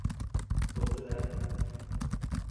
— Bo‘pti-da!